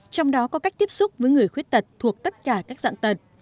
trong đó có cách tiếp xúc với người khuyết tật thuộc tất cả các dạng tật